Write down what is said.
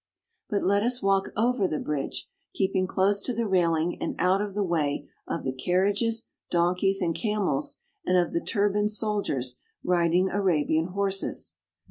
But let us walk over the bridge, keep ing close to the railing and out of the way of the carriages, donkeys, and camels, and of the turbaned soldiers rid ing Arabian horses.